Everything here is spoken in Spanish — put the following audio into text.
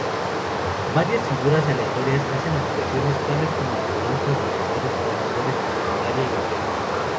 Varias figuras aleatorias hacen apariciones, tales como astronautas, buceadores, profesores de secundaria y vaqueros.